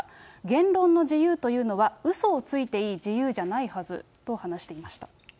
言論の自由というのは、うそをついていい自由じゃないはずと話していました。